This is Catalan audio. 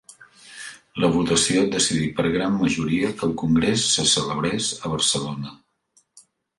La votació decidí per gran majoria que el congrés se celebrés a Barcelona.